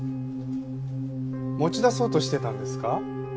持ち出そうとしてたんですか？